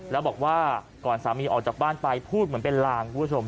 แล้วบอกว่าก่อนสามีออกจากบ้านไปพูดเหมือนเป็นลางคุณผู้ชม